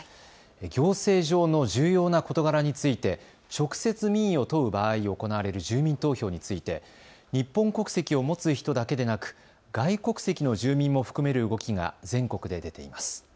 行政上の重要な事柄について直接、民意を問う場合に行われる住民投票について日本国籍を持つ人だけでなく外国籍の住民も含める動きが全国で出ています。